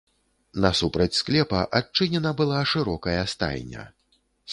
Насупраць склепа адчынена была шырокая стайня.